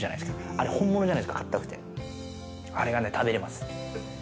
あれ本物じゃないですか、硬くて、あれが食べれます。